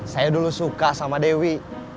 saya dulu suka sama dewi